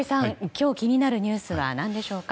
今日、気になるニュースは何でしょうか？